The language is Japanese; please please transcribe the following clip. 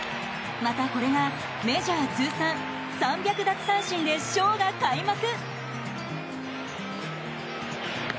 また、これがメジャー通算３００奪三振でショーが開幕。